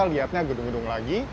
lihatnya gedung gedung lagi